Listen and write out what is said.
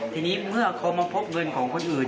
ทีนี้เมื่อเขามาพบเงินของคนอื่น